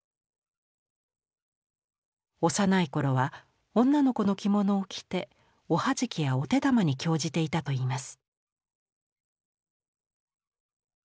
幼い頃は女の子の着物を着ておはじきやお手玉に興じていたといいます。